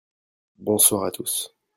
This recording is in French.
bonsoir à tous.